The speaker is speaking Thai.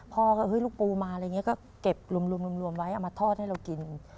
พ่อก็เฮ้ยลูกปูมาอะไรอย่างนี้ก็เก็บรวมไว้เอามาทอดให้เรากิน